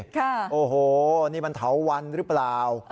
ค่ะโอ้โหนี่มันเถาวันหรือเปล่า